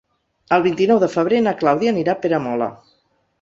El vint-i-nou de febrer na Clàudia anirà a Peramola.